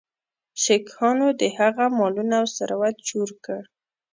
سیکهانو د هغه مالونه او ثروت چور کړ.